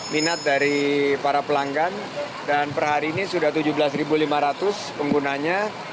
minat dari para pelanggan dan per hari ini sudah tujuh belas lima ratus penggunanya